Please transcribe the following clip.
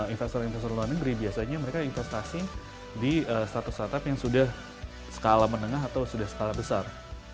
investor investor luar negeri biasanya mereka investasi di startup startup yang sudah skala menengah atau sudah skala besar